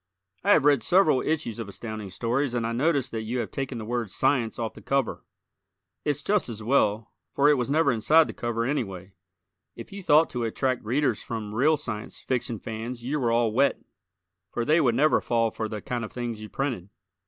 I have read several issues of Astounding Stories and I notice that you have taken the word "science" off the cover. It's just as well, for it was never inside the cover, anyway. If you thought to attract Readers from real Science Fiction fans you were all wet, for they would never fall for the kind of things you printed.